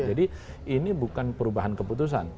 jadi ini bukan perubahan keputusan